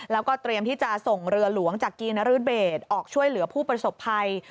แล้วก็เตรียมที่จะส่งเรือหลวงจากกีนรเบศออกช่วยเหลือผู้ประสบภัย